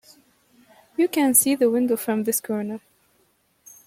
You can see the window from this corner.